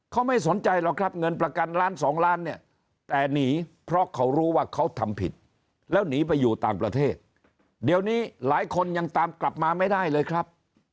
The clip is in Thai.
เขาไม่สนใจหรอกครับเงินประกันล้านสองล้านเนี่ยแต่หนีเพราะเขารู้ว่าเขาทำผิดแล้วหนีไปอยู่ต่างประเทศเดี๋ยวนี้หลายคนยังตามกลับมาไม่ได้เลยครับ